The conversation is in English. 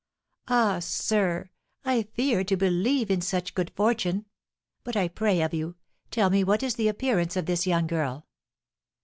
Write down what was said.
"Ah, sir, I fear to believe in such good fortune; but, I pray of you, tell me what is the appearance of this young girl?"